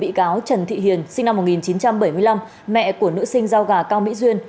bị cáo trần thị hiền sinh năm một nghìn chín trăm bảy mươi năm mẹ của nữ sinh rau gà cao mỹ duyên